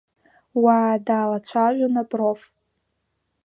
Уаа далацәажәон апроф.